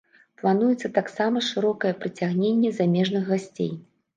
Плануецца таксама шырокае прыцягненне замежных гасцей.